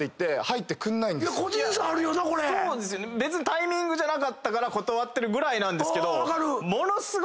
タイミングじゃなかったから断ってるぐらいなんですけど。